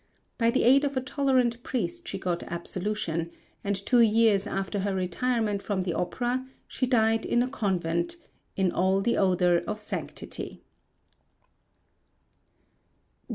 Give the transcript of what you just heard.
By the aid of a tolerant priest she got absolution, and two years after her retirement from the opera she died in a convent in all the odour of sanctity.